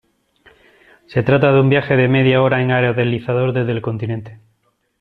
Se trata de un viaje de media hora en aerodeslizador desde el continente.